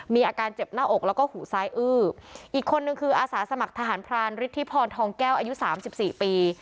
มีอาการเจ็บหน้าอกแล้วก็หูซ้ายอื้ออีกคนนึงคืออาสาสมัครทหารพรานฤทธิพรทองแก้วอายุสามสิบสี่ปี